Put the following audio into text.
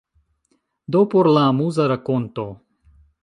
Do por la amuza rakonto.